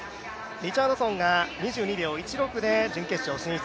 リチャードソンが２２秒１６で準決勝進出。